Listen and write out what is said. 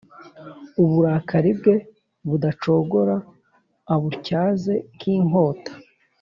uburakari bwe budacogora abutyaze nk’inkota,